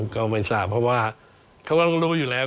ก็ไม่ทราบเพราะว่าเขาก็ต้องรู้อยู่แล้ว